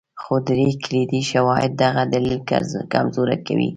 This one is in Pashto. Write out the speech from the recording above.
خو درې کلیدي شواهد دغه دلیل کمزوری کوي.